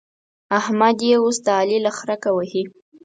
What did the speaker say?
احمد يې اوس د علي له خرکه وهي.